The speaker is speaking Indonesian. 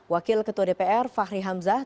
wakil ketua dpr fahri hamzah